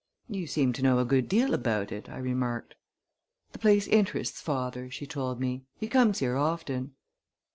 "You seem to know a good deal about it," I remarked. "The place interests father," she told me. "He comes here often."